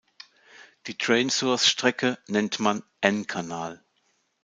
Die Drain-Source-Strecke nennt man n-Kanal.